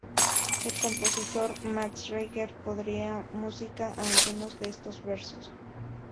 El compositor Max Reger pondría música a algunos de estos versos.